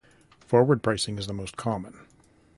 Forward pricing is the most common.